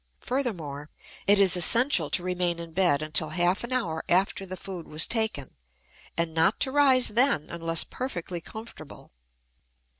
Furthermore, it is essential to remain in bed until half an hour after the food was taken; and not to rise then unless perfectly comfortable.